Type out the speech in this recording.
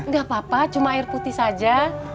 gak apa apa cuma air putih saja